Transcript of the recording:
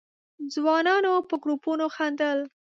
ځوانانو په گروپونو خندل.